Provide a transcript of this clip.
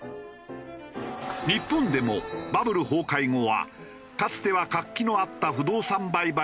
日本でもバブル崩壊後はかつては活気のあった不動産売買も低迷。